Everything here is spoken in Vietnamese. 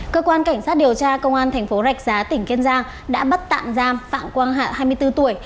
cơ quan cảnh sát điều tra công an thành phố rạch giá tỉnh kiên giang đã bắt tạm giam phạm quang hạ hai mươi bốn tuổi